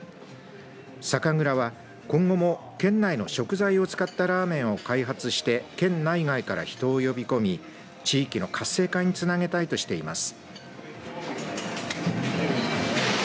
酒蔵は今後も県内の食材を使ったラーメンを開発して県内外から人を呼び込み地域の活性化につなげたいとしています。